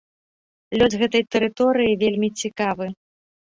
Лёс гэтай тэрыторыі вельмі цікавы.